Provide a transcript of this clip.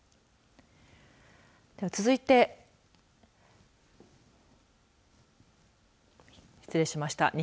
では続いて失礼しました。